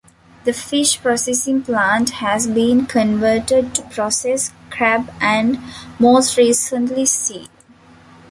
The fish processing plant has been converted to process crab and most recently seal.